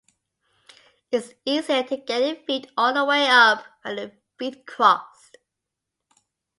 It's easier to get the feet all the way up when the feet crossed.